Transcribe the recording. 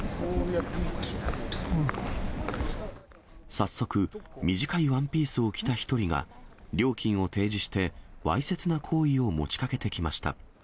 早速、短いワンピースを着た１人が、料金を提示して、わいせつな行為を持ちかけてきました。